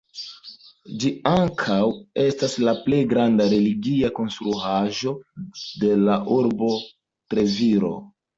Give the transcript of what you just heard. Ĝi ankaŭ estas la plej granda religia konstruaĵo de la urbo Treviro.